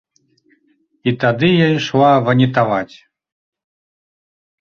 І тады я ішла ванітаваць.